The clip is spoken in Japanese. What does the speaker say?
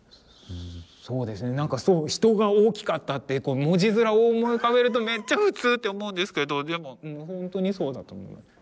そうですねなんかそう「人が大きかった」って文字面を思い浮かべるとめっちゃ普通って思うんですけどでもほんとにそうだと思います。